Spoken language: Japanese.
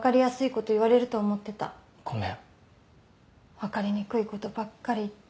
分かりにくいことばっかり言って。